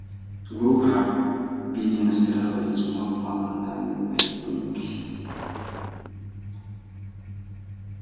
Group business travel is more common than you might think.